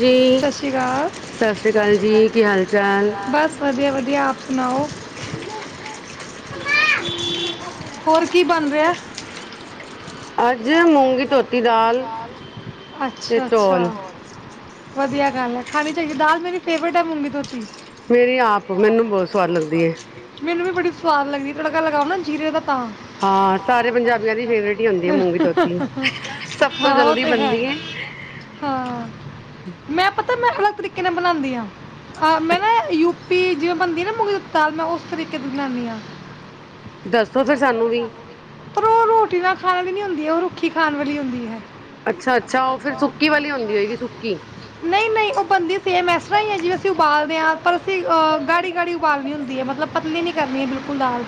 ਜੀ ਸਤਿ ਸ਼੍ਰੀ ਅਕਾਲ। ਸਤਿ ਸ੍ਰੀ ਅਕਾਲ ਜੀ ਕੀ ਹਾਲ ਚਾਲ ਬਸ ਵਧੀਆ, ਵਧੀਆ। ਆਪ ਸੁਣਾਓ। ਹੋਰ ਕੀ ਬਣ ਰਿਆ। ਅੱਜ ਮੂੰਗੀ ਧੋਤੀ ਦਾਲ ਤੇ ਅੱਛਾ ਚੋਲ ਅੱਛਾ ਵਧੀਆ ਗੱਲ ਹੈ। ਖਾਣੀ ਚਾਹੀਏ ਦਾਲ ਮੇਰੀ ਫੇਵਰੇਟ ਹੈ। ਮੋਂਗੀ ਧੋਤੀ ਮੇਰੀ ਆਪ ਮੈਨੂੰ ਬਹੁਤ ਸਵਾਦ ਲੱਗਦੀ ਹੈ ਮੈਨੂੰ ਵੀ ਬੜੀ ਸਵਾਦ ਲਗਦੀ ।ਤੜਕਾ ਲਗਾਓ ਨਾ ਜੀਰੇ ਦਾ ਤਾਂ ਹਾਂ, ਸਾਰੇ ਪੰਜਾਬੀਆਂ ਦੀ ਫੇਵਰੇਟ ਹੀ ਹੁੰਦੀ ਹੈ ਮੂੰਗੀ ਧੋਤੀ ਸਭ ਤੋਂ ਹਾਂ ਉਹ ਜਲਦੀ ਤੇ ਬਣਦੀ ਹੈ। ਹਾਂ ਮੈਂ ਪਤਾ ਮੈਂ ਅਲੱਗ ਤਰੀਕੇ ਨਾਲ ਬਣਾਉਂਦੀਆਂ ਹੈ। ਅ ਮੈਂ ਨਾ ਯੂ ਪੀ ਜ। ਬਣਦੀ ਨਾ ਮੂੰਗੀ ਦੀ ਦਾਲ, ਮੈਂ ਉਸ ਤਰੀਕੇ ਦੀ ਬਣਾਉਦੀ ਹਾਂ। ਦੱਸੋ ਫਿਰ ਸਾਨੂੰ ਵੀ ਖਾਣਾ ਵੀ ਨਹੀਂ ਹੁੰਦੀ। ਉਹ ਰੁੱਖੀ ਖਾਣ ਵਾਲੀ ਹੁੰਦੀ ਹੈ। ਅੱਛਾ -ਅੱਛਾ ਉਹ ਫਿਰ ਸੁੱਕੀ ਵਾਲੀ ਹੁੰਦੀ ਹੋਏਗੀ ਸੁੱਕੀ। ਨਹੀਂ- ਨਹੀਂ ਉਹ ਬਣਦੀ ਸੇਮ ਐ। ਆਹੀ ਐ ਜੀ, ਬਸ ਅਸੀਂ ਉਬਾਲਦੇ ਹਾਂ। ਪਰ ਅਸੀਂ ਗਾੜੀ -ਗਾੜੀ ਉਬਾਲਣੀ ਹੁੰਦੀ ਹੈ ।ਮਤਲਬ ਪਤਲੀ ਨੀ ਕਰਨੀ ਹੈ। ਬਿਲਕੁਲ ਦਾਲ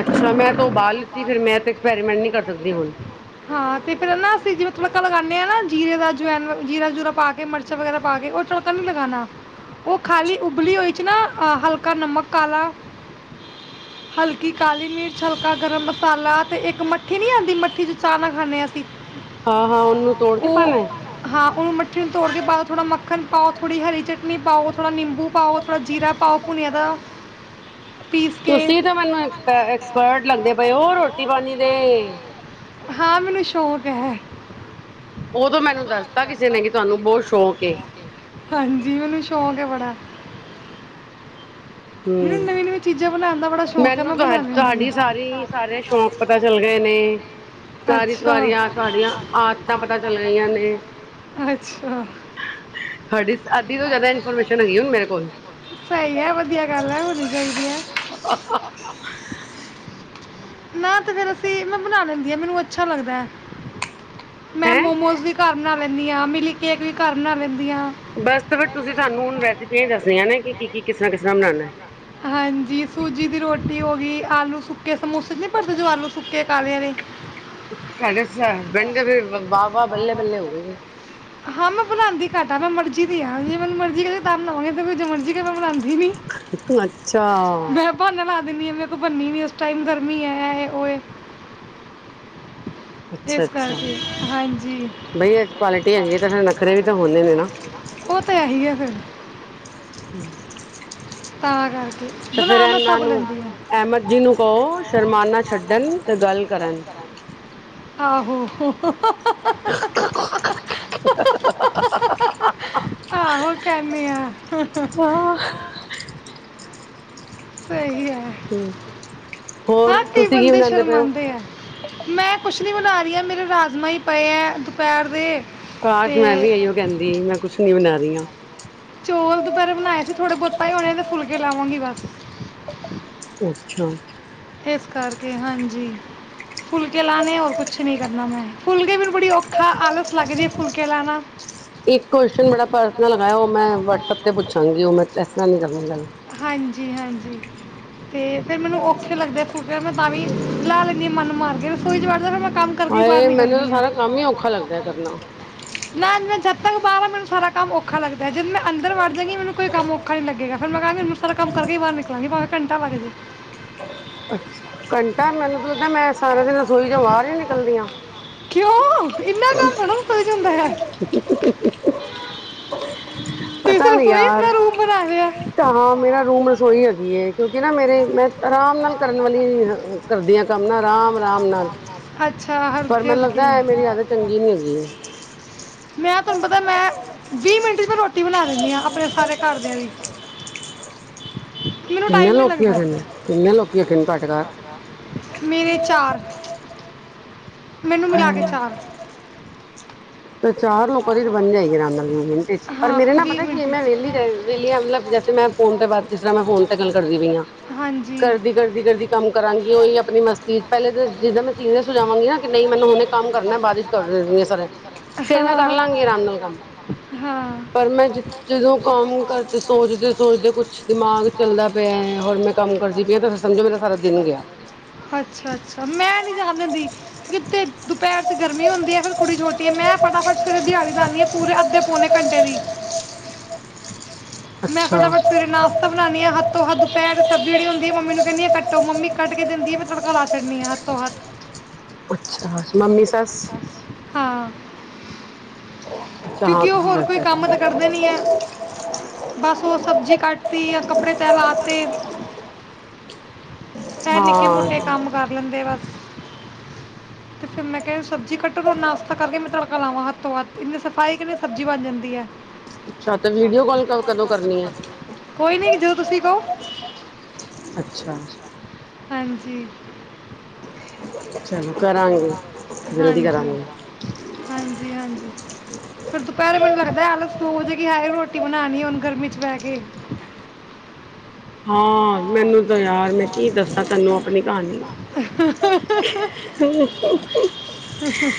ਅੱਛਾ ਮੈਂ ਤਾਂ ਉਬਾਲ ਲਿੱਤੀ ਫਿਰ ਮੈਂ ਤਾਂ ਐਕਸਪੈਰੀਮੈਂਟ ਨਹੀਂ ਕਰ ਸਕਦੀ ਹੁਣ ਹਾਂ ਤੇ ਫਿਰ ਨਾ ਅਸੀਂ ਜਿਵੇਂ ਤੜਕਾ ਲਗਾਉਂਦੇ ਹਾਂ ਨਾ, ਜੀਰੇ ਦਾ ਜਵੈਨ ਜੀਰਾ- ਜੁਰਾ ਪਾ ਕੇ, ਮਿਰਚਾਂ ਵਗੈਰਾ ਪਾ ਕੇ ਉਹ ਤੜਕਾ ਨੀ ਲਗਾਉਣਾ। ਉਹ ਖਾਲੀ ਉਬਲੀ ਹੋਈ ਚ ਨਾ ਆਹ ਹਲਕਾ ਨਮਕ ਕਾਲਾ, ਹਲਕੀ ਕਾਲੀ ਮਿਰਚ, ਹਲਕਾ ਗਰਮ ਮਸਾਲਾ ਤੇ ਇੱਕ ਮੱਠੀ ਨੀ ਆਉਂਦੀ, ਮੱਠੀ ਚ ਚਾਹ ਨਾਲ ਖਾਣੇ ਹਾਂ ਅਸੀਂ ਹਾਂ ਹਾਂ ਉਹਨੂੰ ਤੋੜ ਕੇ ਪਾਉਣਾ ਹੈ ਉਹ ਮਿੱਠੀ ਨੂੰ ਤੋੜ ਕੇ ਪਾਓ, ਥੋੜਾ ਮੱਖਣ ਪਾਓ, ਥੋੜੀ ਹਰੀ ਚਟਣੀ ਪਾਓ, ਥੋੜਾ ਨਿੰਬੂ ਪਾਓ, ਥੋੜਾ ਜੀਰਾ ਪਾਓ ਪੁੁਣਿਆ ਦਾ ਪੀਸ ਕੇ ਤੁਸੀਂ ਤਾਂ ਮੈਨੂੰ ਐਪ ਐਕਸਪਰਟ ਲੱਗਦੇ ਪਏ ਹੋ ਰੋਟੀ ਪਾਣੀ ਦੇ। ਹਾਂ, ਮੈਨੂੰ ਸ਼ੌਕ ਹੈ। ਉਦੋਂ, ਮੈਨੂੰ ਦੱਸ। ਦਿੰਤਾ। ਕਿਸੇ ਨੇ ਕਿ ਤੁਹਾਨੂੰ ਬਹੁਤ ਸ਼ੌਕ ਏ ਹਾਂਜੀ ਮੈਨੂੰ ਸ਼ੌਂਕ ਹੈ ਬੜਾ ਮੈਨੂੰ ਹੂੰ, ਨਵੀ- ਨਵੀਂ ਚੀਜ਼ਾਂ ਬਣਾਉਣ ਦਾ ਬੜਾ ਸ਼ੌਂਕ ਹੈ ਮੈਨੂੰ ਮੈਂ ਤੁਹਾ ਬਣਾ ਲੈਂਦੀ ਹਾਂ ਤੁਹਾਡੀ ਸਾਰੀ ਸਾਰੇ ਸ਼ੌਕ ਪਤਾ ਚੱਲ ਗਏ ਨੇ। ਸਾਰੀ ਅੱਛਾ ਤੁਰੀਆਂ ਤੁਹਾਡੀਆਂ ਆਦਤਾਂ ਪਤਾ ਚੱਲ ਗਈਆਂ ਨੇ। ਅੱਛਾ ਤੁਹਾਡੀ ਅੱਧੀ ਤੋਂ ਜ਼ਿਆਦਾ ਇਨਫੋਰਮੇਸ਼ਨ ਹੈਗੀ ਹੁਣ ਮੇਰੇ ਕੋਲ ਸਹੀ ਹੈ ਵਧੀਆ ਗੱਲ ਹੋਣੀ ਚਾਹੀਦੀ ਹੈ। ਠੀਕ ਹੈ। [unintelligible] ਮੈਂ ਤੇ ਫੇਰ ਅਸੀਂ ਮੈਂ ਬਣਾ ਲੈਂਦੀ ਹਾਂ। ਮੈਨੂੰ ਅੱਛਾ ਲੱਗਦਾ ਹੈ। ਮੈਂ ਹੈਂ। ਮੋਮੋਸ ਵੀ ਘਰ ਬਣਾ ਲੈਂਦੀ ਆ, ਮਿਲਕ ਕੇਕ ਵੀ ਘਰ ਬਣਾ ਲੈੰ ਬਸ ਤੇ ਫੇਰ, ਤੁਸੀਂ ਸਾਨੂੰ ਹੁਣ ਰੈਸਪੀਆਂ ਦੱਸਣੀਆਂ ਨੇ ਕਿ, ਕੀ ਕਿਸ੍ਹ ਤਰ੍ਹਾਂ। ਕਿਦਾਂ ਬਣਾਉਣਾ ਹੈ? ਹਾਂਜੀ ਸੂਜੀ ਦੀ ਰੋਟੀ ਹੋ ਗਈ ਆਲੂ ਸੁੱਕੇ ਸਮੋਸੇ ' ਨਹੀਂ ਭਰਦੇ ਜੋ ਆਲੂ ਸੁੱਕੇ ਕਾਲੇ ਆਲੇ। ਸਾਡੇ ਉੱਥੇ ਸਾਂ ਪਿੰਡ ਦੇ ਵਿੱਚ ਵਾਹ- ਵਾਹ, ਬੱਲੇ -ਬੱਲੇ ਹੋ ਗਏ ਹੈ। ਹਾਂ ਮੈਂ ਬਣਾਉਂਦੀ ਘੱਟ ਆ ਮੈ ਮਰਜ਼ੀ ਦੀ ਆ, ਜੇ ਮੈਨੂੰ ਮਰਜੀ ਕਰੇ ਤਾਂ ਬਣਾਵਾਂਗੇ, ਨਹੀਂ ਕੋਈ ਜੋ ਮਰਜ਼ੀ ਕਹੇ ਮੈਂ ਬਣਾਉਂਦੀ ਨੀ [inaudible] ਅੱਛਾ। ਨੀ ਹਾਂ, ਮੈਂ ਕੋ ਬੰਨਨੀ, ਉਸ ਟਾਈਮ ਗਰਮੀ ਹੈ ਆਏ ਉਹ ਅੱਛਾ ਇਸ ਅੱਛਾ, ਕਰਕੇ ਹਾਂਜੀ ਬਈ ਕੁਆਲਿਟੀ ਹੈਗੀ ਤਾਂ ਫਿਰ ਨਖਰੇ ਵੀ ਤਾਂ ਹੋਣੇ ਨੇ ਨਾ? ਉਹ ਤਾਂ ਹੈ ਹੀ ਆ ਫਿਰ। ਹਮ ਤਾਂ ਕਰਕੇ ਤੇ ਫਿਰ ਬਣਾ ਮੈਂ ਇਹਨਾਂ ਸਭ ਨੂੰ ਲੈਂਦੀ ਹਾਂ ਅਹਿਮਦ ਜੀ ਨੂੰ ਕਹੋ, ਸ਼ਰਮਾਨਾ ਛੱਡਣ ਤੇ ਗੱਲ ਕਰਨ। [inaudible] ਹਹਹਹਹਹਹ, ਆਹੋ, ਕਹਿਨੇ ਆ। ਹਾਂ ਸਹੀ ਹੈ । ਹਮ ਹਾਂ, ਕਈ ਬੰਦੇ ਸ਼ਰਮਾਂਦੇ ਆ। ਮੈਂ ਕੁਛ ਨੀ ਬਣਾ ਰਹੀ ਆ, ਮੇਰੇ ਰਾਜਮਾਂ ਹੀ ਪਏ ਹੈ ਦੁਪਹਿਰ ਦੇ। ਕਾਸ਼, ਤੇ ਮੈਂ ਵੀ ਇਹੀ ਓ ਕਹਿੰਦੀ ਮੈਂ ਕੁਝ ਨਹੀਂ ਬਣਾਇਆ। ਨਿਯਾ [unintelligible] ਚੌਲ ਦੁਪਹਿਰੇ ਬਣਾਏ ਸੀ, ਥੋੜ੍ਹੇ ਬਹੁਤ ਪਏ ਹੋਣੇ ਨੇ, ਫੁਲਕੇ ਲਾਵਾਂਗੀ ਬਸ । ਅੱਛਾ। ਇਸ ਕਰਕੇ, ਹਾਂਜੀ, ਫੁਲ ਕੇ ਲਾਉਣੇ, ਹੋਰ ਕੁਛ ਨਹੀਂ ਕਰਨਾ ਮੈਂ। ਫੁਲਕੇ ਵੀ ਬੜੀ ਔਖਾ, ਆਲਸ ਲੱਗਦੀ ਫੁਲਕੇ ਲਾਣਾ। ਇਕ ਕੋਸ਼ਨ ਬੜਾ ਪਰਸਨਲ ਹੈਗਾ, ਉਹ ਮੈਂ ਵਟਸਐਪ ਤੇ ਪੁੱਛਾਂਗੀ, ਉਹ ਮੈਂ ਇਸ ਤਰਾਂ ਨਹੀਂ ਕਰਨੀ ਗੱਲ। ਹਾਂਜੀ- ਹਾਂਜੀ, ਤੇ ਫਿਰ ਮੈਨੂੰ ਔਖੇ ਲੱਗਦੇ ਫੂਲਕੇ, ਮੈਂ ਤਾਂ ਵੀ ਲਾ ਲੈਂਨੀ ਹਾਂ, ਮਨ ਮਾਰ ਕੇ ਰਸੋਈ ਚ ਵੜਜਾ ਫਿਰ ਮੈਂ ਕੰਮ ਕਰਕੇ ਬਾਹਰ ਹਾਏ, ਮੈਨੂੰ ਤਾਂ ਨਿਕਲਦੀ ਹਾਂ ਸਾਰਾ ਕੰਮ ਹੀ ਔਖਾ ਲੱਗਦਾ ਕਰਨਾ । ਨਾ ਮੈਂ ਜਦ ਮੈਨੂੰ ਸਾਰਾ ਦਿਨ ਸਾਰਾ ਕੰਮ ਔਖਾ ਲੱਗਦਾ, ਜਦ ਮੈਂ ਅੰਦਰ ਵੜ ਜਾਗੀ, ਮੈਨੂੰ ਕੋਈ ਕੰਮ ਔਖਾ ਨਹੀਂ ਲੱਗੇਗਾ ਫਿਰ। ਮੈ ਸਾਰਾ ਕੰਮ ਕਰਕੇ ਹੀ ਬਾਹਰ ਨਿਕਲਾਂਗੀ, ਭਾਵੇਂ ਘੰਟਾ ਲਗਜੇ। ਕੰ ਪਰ ਮੈਨੂੰ ਤਾਂ ਲੱਗਦਾ ਹੈ, ਮੈਂ ਸਾਰਾ ਦਿਨ ਰਸੋਈ ਚੋਂ ਬਾਹਰ ਹੀ ਨਹੀਂ ਨਿਕਲਦੀ ਆ। ਕਿਉਂ, ਇੰਨਾ ਕੰਮ ਥੋੜਾ ਨਾ ਕਰੀ ਦਾ ਹੁੰਦਾ। ਤੁਸੀਂ ਤਾਂ ਪਤਾ ਨੀ ਰਸੋਈ ਆਪਣਾ ਯਾਰ, ਰੂਮ ਬਣਾ ਲਿਆ ਤਾਂ ਹਾਂ ਮੇਰਾ ਰੂਮ ਰਸੋਈ ਹੈਗੀ ਹੈ, ਕਿਉਂਕਿ ਮੇਰੀ ਮੈਂ ਆਰਾਮ ਨਾਲ ਕਰਨ ਵਾਲੀ, ਕਰਦੀਆਂ। ਕੰਮ ਨਾ ਅਰਾਮ ਅਰਾਮ ਨਾਲ, ਅੱਛਾ ਪਰ ਹਲਕੇ ਮੈਨੂੰ ਲਗ ਹਲਕੇ ਨਾ ਏ ਮੇਰੀ ਆਦਤ ਚੰਗੀ ਨੀ ਹੈਗੀ । ਵੀਹ ਮਿੰਟ ਚ ਮੈਂ ਰੋਟੀ ਬਣਾ ਲਿੰਦੀ ਹਾ, ਆਪਣੇ ਸਾਰੇ ਘਰਦਿਆਂ ਦੀ। ਮੈਨੂੰ ਕਿੰਨੇ ਟਾਈਮ ਨਹੀਂ ਲੋਕੀ ਲੱਗਦਾ ਹੈਗੇ ਨੇ ਕਿੰਨੇ ਲੋਕੀ ਹੈਗੇ ਨੇ ਤੁਹਾਡੇ ਘਰ? ਮੇਰੇ ਚਾਰ, ਮੈਨੂੰ ਮਿਲਾ ਕੇ ਚਾਰ। ਤੇ ਚਾਰ ਲੋਕਾਂ ਦੀ ਬਣ ਤੇ ਜਾਏਗੀ ਅਰਾਮ ਨਾਲ ਵੀ ਮਿੰਟ ਇਚ, ਪਰ ਹਾਂ ਮੇਰੇ ਨਾ ਪਤਾ ਕੀ ਏ ਮਿੰਟ ਮੈਂ ਵਿੱਚ ਵਿਹਲੀ ਰਏ ਵੇਲੀਆ ਮਲਬ ਜੈਸੇ ਮੈਂ ਫੋਨ ਤੇ ਬਾਤ ਜਿਸ ਤਰ੍ਹਾਂ ਮੈਂ ਫੋਨ ਤੇ ਗੱਲ ਕਰਦੀ ਪਈ ਆਂ, ਹਾਂਜੀ ਕਰਦੀ ਕਰਦੀ ਕਰਦੀ ਕੰਮ ਕਰਾਂਗੀ ਔਈ ਅਪਣੀ ਮਸਤੀ ਚ, ਪੈਲੇ ਤੇ ਜਿੱਦਾਂ ਮੈਂ ਸੀਰੀਅਸ ਹੋ ਜਾਵਾਂਗੀ ਨਾ ਕਿ ਨਹੀਂ ਮੈਨੂੰ ਹੁਣੇ ਕੰਮ ਕਰਣੈ, ਬਾਦ ਇਚ ਕਰ ਰੇੰਦੀ ਆ ਸਾਰੇ। ਫੇਰ ਮੈਂ ਕਰ ਹਾਂ ਲਾਂਗੀ ਆਰਾਮ ਨਾਲ ਕੰਮ, ਹਾਂ ਪਰ ਮੈਂ ਜਿਥ ਜਿਦੋਂ ਕੰਮ ਕਰਦੇ ਸੋਚਦੇ ਸੋਚਦੇ ਕੁਛ ਦਿਮਾਗ ਚੱਲਦਾ ਪਿਆ ਹੋਰ ਮੈਂ ਕੰਮ ਕਰਦੀ ਪਈਆ ਤੇ ਸਮਝੋ ਮੇਰਾ ਸਾਰਾ ਦਿਨ ਗਿਆ। ਅੱਛਾ ਫੇਰ ਦੁਪਿਹਰ ਚ ਗਰਮੀ ਹੁੰਦੀ ਐ, ਫੇਰ ਕੁੜੀ ਛੋਟੀ ਏ ਮੈਂ ਫਤਾ ਫਟ ਸਵੇਰੇ [unintelligible] ਪੂਰੇ ਅੱਧੇ ਪੋਣੇ ਘੰਟੇ ਦੀ। ਮੈਂ ਅੱਛਾ ਫਟਾਫਟ ਸਵੇਰੇ ਨਾਸ਼ਤਾ ਬਣਾਣੀ ਆਂ, ਹੱਥੋ-ਹੱਥ ਦੁਪੈਰ ਸਬਜ਼ੀ ਜਿਹੜੀ ਹੁੰਦੀ ਏ ਮੰਮੀ ਨੂੰ ਕੈੰਣੀ ਆ ਕੱਟੋ ਮੰਮੀ ਕੱਟ ਕੇ ਦਿੰਦੀ ਏ ਮੈਂ ਤੜਕਾ ਲਾ ਛੱਡਣੀ ਆ ਹੱਥੋ-ਹੱਥ। ਅੱਛਾ, ਮੰਮੀ ਸੱਸ। ਹਾਂ। ਅੱਛਾ ਹਾਂ ਕਿਉਂਕਿ ਔ ਤੁਸੀਂ ਹੋਰ ਕੋਈ ਦੱਸਿਆ ਕੰਮ ਤਾਂ ਕਰਦੇ ਨੀ ਐ, ਬਸ ਔ ਸਬਜ਼ੀ ਕੱਟਤੀ ਯਾ ਕੱਪੜੇ ਤੈ ਲਾਤੇ। ਐ ਨਿੱਕੇ-ਮੋਟੇ ਹਾਂ ਕੰਮ ਕਰ ਲੈਂਦੇ ਬਸ। ਤੇ ਫੇਰ ਮੈਂ ਕਿਐ ਸਬਜ਼ੀ ਕੱਟ ਦੋ ਨਾਸ਼ਤਾ ਕਰਕੇ ਮੈਂ ਤੜਕਾ ਲਾਵਾਂ ਹੱਥੋ-ਹੱਥ, ਇੰਨੇ ਸਬ ਆਏ ਕੈਂਦੇ ਸਬਜ਼ੀ ਬਣ ਜਾਂਦੀ ਐ। ਅੱਛਾ ਤੇ ਵੀਡੀਓ ਕਾਲ ਕ ਕਦੋਂ ਕਰਨੀ ਹੈ? ਕੋਈ ਨੀ ਜਦੋ ਤੁਸੀਂ ਕਔ। [inaudible] ਅੱਛਾ। ਹਾਂਜੀ। [inaudible] ਚਲੋ ਕਰਾਂਂਗੇ, ਜਲਦੀ ਹਾਂਜੀ ਕਰਾਂਗੇ। ਫੇਰ ਦੁਪਹਿਰੇ ਮੈਨੂੰ ਲੱਗਦੈ ਆਲਸ ਦੋ ਹੋਜੇਗੀ, ਹਾਏ ਰੋਟੀ ਬਣਾਣੀ ਹੁਣ ਗਰਮੀ ਚ ਬੈਹ ਕੇ। ਹਾਂ, ਮੈਨੂੰ ਤਾਂ ਯਾਰ ਮੈਂ ਕੀ ਦੱਸਾਂ ਤੈਨੂੰ ਅਪਣੀ ਕਹਾਣੀ, ਹੋ ਹੋ ਹੋ। ਹੂ ਹੂ।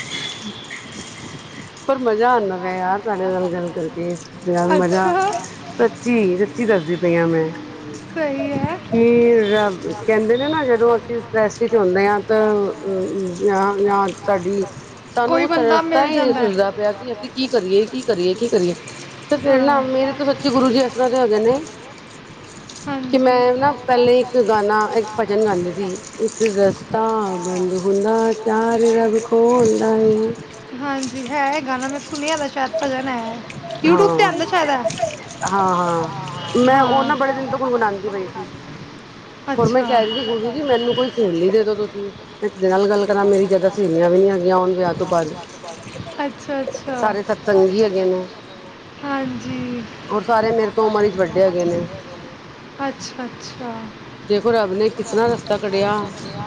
ਪਰ ਮਜ਼ਾ ਆਉਦਾ ਪਿਆ ਯਾਰ ਤੁਹਾਡੇ ਨਾਲ ਗੱਲ ਕਰਕੇ, ਯਾਰ ਮਜ਼ਾ ਅੱਛਾ ਸੱਚੀ ਸੱਚੀ ਦੱਸਦੀ ਪਈ ਆ ਮੈ। ਸਹੀ ਹੈ ਕੀ ਰੱਬ ਕਹਿੰਦੇ ਨੇ ਨਾ ਜਦੋਂ ਅਸੀਂ ਸਟਰੈਸ ਚ ਹੋਣੇ ਆਂ ਤ ਅ ਆ ਯਾ ਸਾਡੀ ਸਾਨੂੰ ਕੋਈ ਕੁਛ ਬੰਦਾ ਰਸਤਾ ਮਿਲ ਈ ਨੀ ਜਾਂਦਾ ਸੁਝਦਾ ਹੈ ਪਿਆ ਕਿ ਅਸੀਂ ਕੀ ਕਰੀਏ ਕੀ ਕਰੀਏ ਕੀ ਕਰੀਏ ਤੇ ਫੇਰ ਨਾ ਹਾਂ ਮੇਰੇ ਤੋਂ ਸੱਚੀ ਗੁਰੂ ਜੀ ਐਸਰ੍ਹਾਂ ਦੇ ਹੈਗੇ ਨੇ ਕਿ ਹਾਂਜੀ. ਮੈਂ ਨਾ ਪਹਿਲੇ ਇੱਕ ਗਾਣਾ ਇੱਕ ਭਜਨ ਗਾਂਦੀ ਸੀ, ਇੱਕ ਰਸਤਾ ਬੰਦ ਹੁੰਦਾ ਚਾਰ ਰਬ ਖੋਲਦਾ ਏ। ਹੈਨਾ ਮੈਂ ਸੁਣਿਆ ਦੈ ਸਾਇਦ ਭਜਨ ਆਯੈ। ਹਾਂ, ਹਾਂ ਹਾਂ, ਮੈਂ ਔ ਹਾਂ ਨਾ ਬੜੇ ਮੈਂ ਦਿਨ ਤੋਂ ਉਹਨਾਂ ਬਾਰੇ ਵੀ ਗੁਣਗੁਨਾਦੀ ਦੀ ਪਈ ਤੁਹਾਨੂੰ ਸੀ। ਬਣਾਈ ਹੁਣ ਮੈਂ ਅੱਛਾ। ਕੈ ਰੀ ਸੀ ਗੁਰੂ ਜੀ ਮੈਨੂੰ ਕੋਈ ਸਹੇਲੀ ਦੇ ਦੋ ਤੁਸੀਂ, ਇੱਕ ਦੇ ਨਾਲ ਗੱਲ ਕਰਾਂ ਮੇਰੀ ਜ਼ਿਆਦਾ ਸਹੇਲੀਆਂ ਵੀ ਨੀ ਹੈਗੀਆਂ ਹੁਣ ਵਿਆਹ ਤੋਂ ਬਾਅਦ ਅੱਛਾ ਅੱਛਾ, ਸਾਰੇ ਸਤਸੰਗੀ ਹੈਗੇ ਨੇ ਹਾਂਜੀ ਔਰ ਸਾਰੇ ਮੇਰੇ ਤੋਂ ਉਮਰ ਵਿੱਚ ਵੱਡੇ ਹੈਗੇ ਨੇ ਅੱਛਾ ਅੱਛਾ। ਦੇਖੋ ਰੱਬ ਨੇ ਕਿਸ ਤਰ੍ਹਾਂ ਰਸਤਾ ਕੱਢਿਆ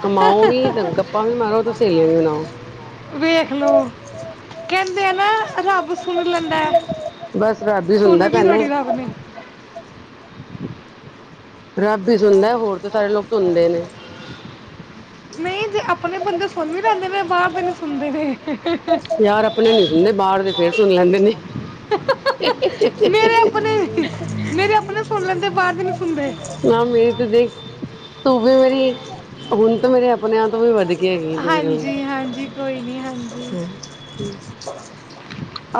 ਕਮਾਓ ਵੀ ਗੱਪਾਂ ਵੀ ਮਾਰੋ ਤੇ ਸਹੇਲੀਆਂ ਵੀ ਬਣਾਓ ਵੇਖ ਲੋ, ਕਹਿੰਦੇ ਆ ਨਾ ਰੱਬ ਸੁਣ ਲੈਂਦਾ ਐ। ਬਸ ਰੱਬ ਹੀ ਸੁਣ ਸੁਣਦਾ ਲੀ ਭੈਣੇ ਤੁਹਾੜੀ ਰੱਬ ਨੇ। ਰੱਬ ਹੀ ਸੁਣਦਾ ਹੋਰ ਤਾਂ ਸਾਰੇ ਲੋਕ ਸੁਣਦੇ ਨੇ ਨਹੀਂ ਜੇ ਆਪਣੇ ਬੰਦੇ ਸੁਣ ਵੀ ਲੈਦੇ ਨੇ ਬਾਹਰ ਨੀ ਸੁਣਦੇ ਨੇ ਯਾਰ ਆਪਣੇ ਨੀ ਸੁਣਦੇ ਬਾਹਰ ਦੇ ਫੇਰ ਸੁਣ ਲੈਂਦੇ ਨੇ। ਮੇਰੇ ਆਪਣੇ ਮੇਰੇ ਆਪਣੇ ਸੁਣ ਲੈਂਦੇ ਬਾਹਰ ਦੇ ਨਹੀਂ ਸੁਣਦੇ ਨਾ ਮੇਰੀ ਦੇਖ ਤੂੰ ਵੀ ਮੇਰੀ ਹੁਣ ਤਾ ਮੇਰੇ ਆਪਣੇ ਆਪ ਤੋਂ ਵੀ ਵਧੀਆ ਹਾਂਜੀ, ਹਾਂਜੀ। ਕੋਈ ਨੀ ਹਾਂਜੀ।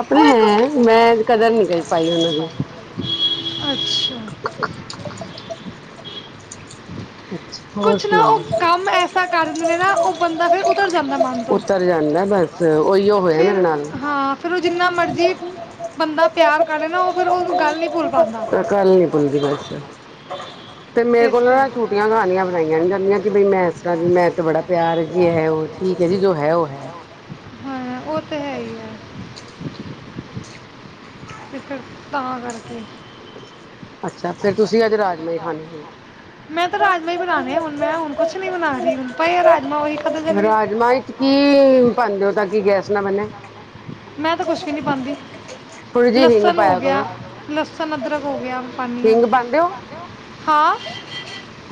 ਆਪਣੇ ਉਹ ਇੱਕ ਹੈ ਮੈਂ ਕਦਰ ਨੀ ਕਰ ਪਾਈ ਉਹਨਾਂ ਦੀ ਅੱਛਾ [unintelligible] ਅੱਛਾ ਹੋਰ ਕੁਛ ਨਾ ਸੁਣਾਓ ਉਹ ਕੰਮ ਐਸਾ ਕਰ ਦਿੰਨੇ ਨਾ ਉਹ ਬੰਦਾ ਫਿਰ ਉਤਰ ਜਾਂਦਾ ਮਨ ਤੋਂ ਉਤਰ ਜਾਂਦਾ ਬਸ ਉਹੀਓ ਹੋਇਆ ਮੇਰੇ ਫਿਰ ਨਾਲ ਹਾਂ ਫਿਰ ਉਹ ਜਿੰਨਾ ਮਰਜ਼ ਬੰਦਾ ਪਿਆਰ ਕਰੇ ਨਾ ਉਹ ਫਿਰ ਉਹ ਗੱਲ ਨਹੀਂੀ ਭੁੱਲ ਪਾਉਂਦਾ ਕੱਲ ਨੀ ਭੁੱਲਦੀ ਬਸ ਇਸ ਕਰਕੇ ਝੂਠੀਆਂ ਕਹਾਣੀਆਂ ਬਣਾਈਆਂ ਨੀ ਜਾਂਦੀਆਂ ਕਿ ਬਈ ਮੈਂ ਇਸ ਤਰਾ ਦੀ ਜੀ ਮੈਂ ਤੇ ਬੜਾ ਪਿਆਰ ਜੇ ਹੈ ਉਹ ਠੀਕ ਹੈ ਜੀ ਜੋ ਹੈ ਉਹ ਹੈ। ਹਾਂ ਉਹ ਤੇ ਹੈ ਹੀ ਆ ਤੇ ਫਿਰ ਤਾਂ ਕਰਕੇ ਅੱਛਾ ਫੇਰ ਤੁਸੀਂ ਅੱਜ ਰਾਜਮਾਹੀ ਖਾਣੇ ਨੇ ਮੈਂ ਤਾਂ ਰਾਜਮਾਂ ਹੀ ਬਣਾਉਣੇ ਹੁਣ ਮੈਂ ਹੁਣ ਕੁਛ ਨਹੀਂ ਬਣਾ ਰਹੀ ਹੁਣ ਭਾਾਈ ਰਾਜਾਈ ਰਾਜਮਾਂ ਵਿੱਚ ਕੀ ਪਾਉਂਦੇ ਹੋ ਤਾਂ ਕਿ ਗੈਸ ਨਾ ਬਣੇ ਮੈਂ ਤਾਂ ਕੁਛ ਵੀ ਨੀ ਪਾਂਦੀ ਥੋੜ੍ਹੀ ਜਿਹੀ ਹਿੰਗ ਲਸਣ ਹੋ ਪਾਇਆ ਗਿਆ ਕਰੋ ਲਸਣ ਅਦਰਕ ਹੋ ਗਿਆ ਪਾਣੀ ਆ ਹਿੰਗ ਪਾਉਂਦੇ ਹੋ ਹਾਂ।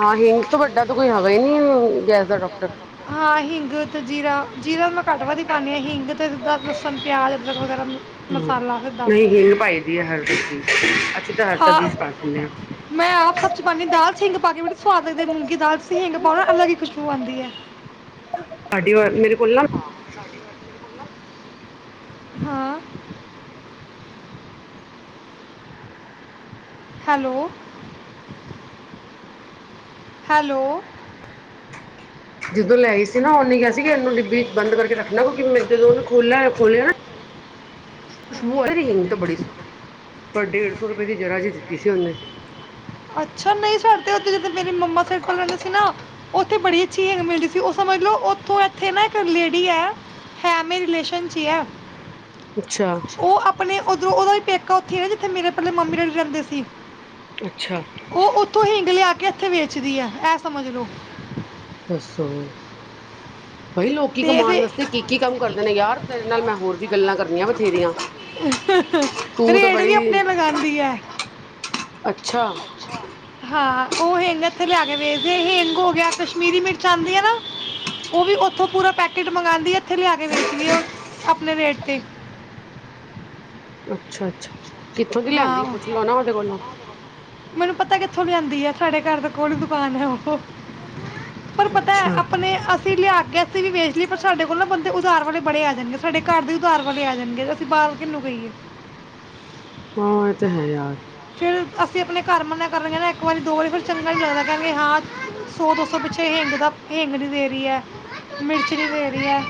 ਹਾਂ ਹਿੰਗ ਤੋਂ ਵੱਡਾ ਤਾਂ ਕੋਈ ਹੈਗਾ ਹੀ ਨਹੀਂ ਗੈਸ ਦਾ ਡਾਕਟਰ ਹਾਂ ਹਿੰਗ ਤੇ ਜੀਰਾ ਜੀਰਾ ਮੈਂ ਘੱਟ ਵਧ ਹੀ ਪਾਉਂਦੀ ਹਾਂ ਹਿੰਗ ਫਿਰ ਅਦਰਕ ਲਸਣ ਪਿਆਜ ਹਮ ਮਸਾਲਾ ਸਾਡਾ। ਨਹੀਂ ਹਿੰਗ ਪਾਈ ਦੀ ਹੈ ਹਰ ਸਬਜ਼ੀ ਅਸੀਂ ਤਾਂ ਹਰ ਹਾਂ ਸਬਜ਼ੀ ਚ ਪਾ ਦਿੰਦੇ ਹਾਂ ਮੈ ਆਪ ਸਬਜ਼ੀ ਪਾਣੀ ਦਾਲ ਹਿੰਗ ਪਾ ਕੇ ਬੜੀ ਸਵਾਦ ਲਗਦੀ ਮੂੰਗੀ ਦਾਲ ਸੀਂ ਹਿੰਗ ਪਾਓਣਾ ਅਲੱਗ ਹੀ ਖਸ਼ਬੂ ਆਉਂਦੀ ਹੈ। ਤੁਡੀ ਵ ਮੇਰੇ ਕੋਲ ਨਾ ਹਾਂ। ਹੈਲੋ ਹੈਲੋ ਜਦੋਂ ਲੈਈ ਸੀ ਨਾ ਉਹਨੇ ਕਿਹਾ ਸੀ ਇਹਨੂੰ ਡਿੱਬੀ ਚ ਬੰਦ ਕਰਕੇ ਰੱਖਣਾ ਕਿਉਂਕਿ ਮ ਜਦੋਂ ਉਹਨੇ ਖੋਲਿਆ ਖੋਲਿਆ ਨਾ ਰਿੰਗ ਬੜੀ ਪਰ ਡੇਢ ਸੌ ਰੁਪਏ ਦੀ ਜਰਾ ਜਿਹੀ ਦਿੱਤੀ ਸੀ ਛਨ ਅੱਛਾ ਨਹੀਂ ਸਰਥ ਜਦ ਮੇਰੇ ਮੰਮਾ ਸਲ ਰਹਿੰਦੇ ਸੀਲ ਨਾ ਉਓਥੇ ਬੜੀ ਅਛੀਗ ਮਿਲਦੀ ਸੀ ਉਹ ਸਮਝ ਲੋ ਉਓਥ ਇਥੇ ਨਾ ਇੱਕ ਲੇਡੀ ਹੈ, ਹੈ ਮੇਲੇ ਚ ਹੀ ਹੈ। ਅੱਛਾ ਉਹ ਆਪਣੇ ਜਦੋਂ ਉਹਦਾ ਵੀ ਪੇਕਾ ਉੱਥੇ ਨਾ ਜਿੱਥੇ ਮੇਰੇ ਪਲੇ ਮੰਮੀ ਡੈਡੀ ਰਹਿੰਦੇ ਸੀ ਅੱਛਾ ਉਹ ਉੱਥੋਂ ਹਿੰਗ ਲਿਆ ਕੇ ਕਿੱਥੇ ਵੇਚਦੀ ਹੈ ਇਹ ਸਮੱਝ ਲਓ ਦੱਸੋ ਬਾਈ ਲੋਕ ਤੇ ਕਮਾਉਣ ਇਹਦੇ ਵਾਸਤੇ ਕੀ ਕੀ ਕੰਮ ਕਰਦੇ ਨੇ ਯਾਰ ਤੇਰੇ ਨਾਲ ਮੈਂ ਹੋਰ ਵੀ ਗੱਲਾਂ ਕਰਨੀਆਂ ਬੱਥੇਰੀਆਂ ਤੂੰ ਤਾਂ ਰੇਟ ਵੀ ਬੱੜੀ ਆਪਣੇ ਲਗਾਉਂਦੀ ਹੈ ਅੱਛਾ ਹਾਂ ਉਹ ਹਿੰਗ ਇੱਥੇ ਲਿਆ ਕੇ ਵੇਚਦੇ ਹਿੰਗ ਹੋ ਗਿਆ ਪੀਲੀ ਮਿਰਚ ਆਉਂਦੀ ਹੈ ਨਾ ਉਹ ਵੀ ਉੱਥੋਂ ਪੂਰਾ ਪੈਕੇਟ ਮੰਗਵਾਉਦੀ ਆ ਇੱਥੇ ਲਿਆ ਕੇ ਵੇਚਦੀ ਆ ਉਹ ਆਪਣੇ ਰੇਟ ਤੇ ਅੱਛਾ ਅੱਛਾ ਕਿੱਥੋਂ ਦੀ ਹਾਂ ਲੈਂਦੀ ਪੁੱਛ ਲਉ ਨਾ ਉਹਦੇ ਕੋਲੋਂ ਉੱਥੋਂ ਲਿਆਂਦੀ ਹੈ ਸਾਡੇ ਘਰ ਦਾ ਕੌਣ ਦੁਕਾਨ ਹੈ ਉਹ ਪਰ ਪਤਾ ਹੈ ਅੱਛਾ ਆਪਣੇ ਅਸੀਂ ਲਿਆ ਕੇ ਅਸੀਂ ਵੀ ਵੇਚ ਲਈਏ ਪਰ ਸਾਡੇ ਕੋਲ ਨਾ ਬੰਦਾ ਉਧਾਰ ਵਾਲੇ ਬੜੇ ਆ ਜਾਣਗੇ ਸਾਡੇ ਘਰ ਦੇ ਉਧਾਰ ਵਾਲੇ ਆ ਜਾਣਗੇ ਅਸੀਂ ਬਾਲ ਖੇਲੋ ਕਈਏ ਹਾਂ ਇਹ ਤੇ ਹੈ ਯਾਰ ਅਸੀਂ ਆਪਣੇ ਘਰ ਮੰਨਾਂ ਕਰ ਰਹੀਆਂ ਨਾ ਇੱਕ ਵਾਰੀ ਦੋ ਵਾਰੀ ਫਿਰ ਚੰਗੀ ਨਾਲ ਜ਼ਿਆਦਾ ਕਹਾਂਗੇ ਹਾਂ ਸੌ ਦੋ ਸੌ ਪਿੱਛੇ ਹਿੰਗ ਦਾ ਹਿੰਗ ਨਹੀਂ ਦੇ ਰਹੀ ਹੈ ਮਿਰਚ ਨਹੀਂ ਦੇ ਰਹੀ ਹੈ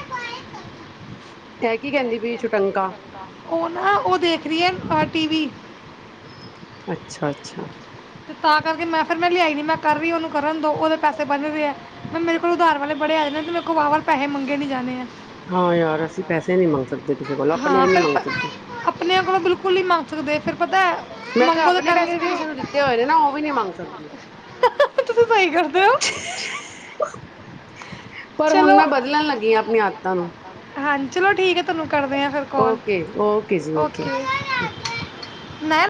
ਹੈ ਕੀ ਕਹਿੰਦੀ ਵੀਈ ਛੁੱਟੀ ਉਹ ਨਾ ਉਹਦੇ ਰੀਅਨ ਆ ਟੀ ਵੀ [unintelligible] ਅੱਛਾ ਅੱਛਾ ਤੇ ਤਾਂ ਕਰਕੇ ਮੈਂ ਫਿਰ ਮੈਂ ਲਿਆਈ ਨੀ ਮੈਂ ਕਰ ਰਹੀ ਉਹਨੂੰ ਕਰਨ ਦੋ ਉਹੱਦੇ ਪੈਸੇ ਬਨ ਰਹੇ ਆ ਮੈਂ ਮੇਰੇ ਕੋਲ ਉਧਾਰ ਵਾਲੇ ਬੜੇ ਆਏ ਨੇ ਤੇ ਮੇਰੇ ਕੋਲੋਂ ਵਾੱਵਾ ਪੈਸੇ ਮੰਗੇ ਨੀ ਜਾਣੇ ਆ ਹਾਂ ਯਾਰ ਅਸੀਂ ਪੈਸੇ ਨਹੀਂ ਮੰਗ ਸਕਦੇ ਕਿਸੇ ਕੋਲੋਂ ਆਪਣੇ ਵੀ ਨਹੀਂ ਮੰਗ ਸਕਦੇ ਕੁਲੀ ਮ [unintelligible] ਸਕਦੇ ਫਰ ਪਤਾ ਮੈਂ ਤਾਂ ਮੰਗੋ ਆਪਣੇ ਕਰਨ ਪੈਸੇ ਵੀ ਕਿਸੇ ਨੂੰ ਦਿੱਤੇ ਹੋਏ ਨੇ ਨਾ ਉਹ ਵੀ ਨਹੀਂ ਮੰਗ ਸਕਦੀ ਤੁਸੀਂ ਸਹੀ ਕਰਦੇ ਹੋ ਪਰ ਹੁਣ ਚਲੋ ਮੈਂ ਬਦਲਣ ਲੱਗੀ ਹਾਂ ਆਪਣੀਆਂ ਆਦਤਾਂ ਨੂੰ ਹਾਂਜੀ ਚਲੋ ਠੀਕ ਆ ਤਨੂੰ ਕਰਦੇ ਆ ਫਿਰ ਕਾਲ ਓਕੇ ਓਕੇ ਜੀ ਓਕੇ ਮੈਂ